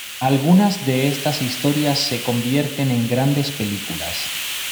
Algunas de estas historias se convierten en grandes películas.